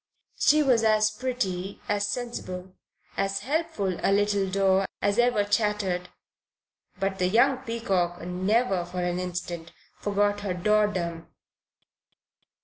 She was as pretty, as sensible, as helpful a little daw as ever chattered; but the young peacock never for an instant forgot her daw dom.